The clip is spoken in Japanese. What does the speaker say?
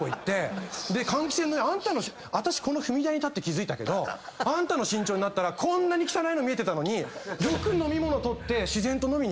換気扇の上「私この踏み台立って気付いたけどあんたの身長になったらこんなに汚いの見えてたのに」